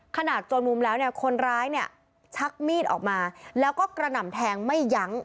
จนมุมแล้วเนี่ยคนร้ายเนี่ยชักมีดออกมาแล้วก็กระหน่ำแทงไม่ยั้ง